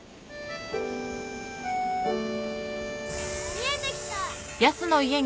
見えてきた！